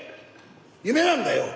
夢なんだよ！